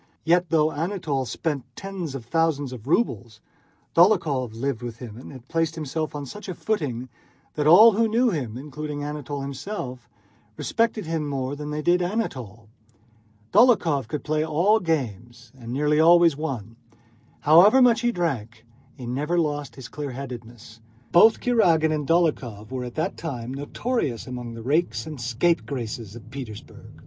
Yet, though Anatole spent tens of thousands of rubles, Dólokhov lived with him and had placed himself on such a footing that all who knew them, including Anatole himself, respected him more than they did Anatole. Dólokhov could play all games and nearly always won. However much he drank, he never lost his clearheadedness. Both Kurágin and Dólokhov were at that time notorious among the rakes and scapegraces of Petersburg.